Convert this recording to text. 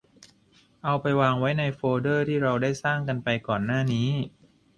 เอาไปวางไว้ในโฟลเดอร์ที่เราได้สร้างกันไปก่อนหน้านี้